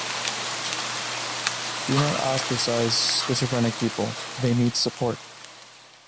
Do not ostracize schizophrenic people, they need support.